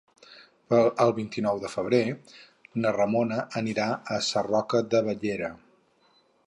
El vint-i-nou de febrer na Ramona anirà a Sarroca de Bellera.